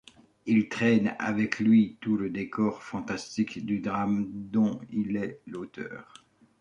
Il traîne avec lui tout le décor fantastique du drame dont il est l’auteur.